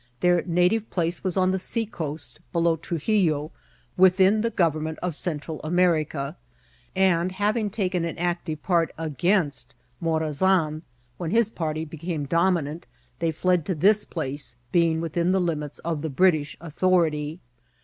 Their native place was on the seacoast, below Truxillo, with in the government of Central America ; and having taken an active part against Morazan, when his party became dominant they fled to this place, being within the limits of the British authority.